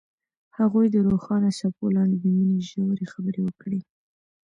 هغوی د روښانه څپو لاندې د مینې ژورې خبرې وکړې.